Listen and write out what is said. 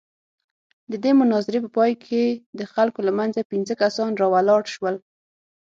د دې مناظرې په پاى کښې د خلقو له منځه پينځه کسان راولاړ سول.